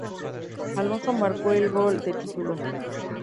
Alonso marcó el gol de título.